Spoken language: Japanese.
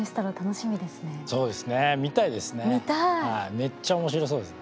めっちゃ面白そうですね。